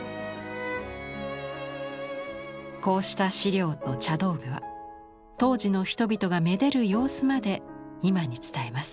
こうした資料と茶道具は当時の人々がめでる様子まで今に伝えます。